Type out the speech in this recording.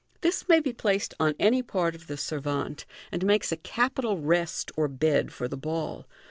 This may be placed on any part of the servante, and makes a capital rest or bed for the ball.